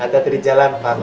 ada diri jalan pak mak